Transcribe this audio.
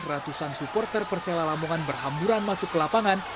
ratusan supporter persela lamongan berhamburan masuk ke lapangan